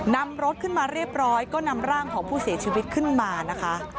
นำรถขึ้นมาเรียบร้อยก็นำร่างของผู้เสียชีวิตขึ้นมานะคะ